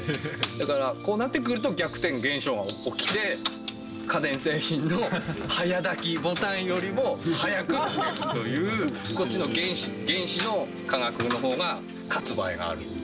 だから、こうなってくると逆転現象が起きて、家電製品の早炊きボタンよりも早く炊けるという、こっちの原始、原始の科学のほうが勝つ場合がある。